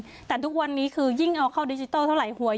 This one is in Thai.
แต่ทุกวันนี้คือยิ่งเอาเข้าดิจิทัลเท่าไหร่หวย